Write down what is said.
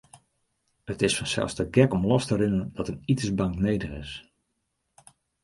It is fansels te gek om los te rinnen dat in itensbank nedich is.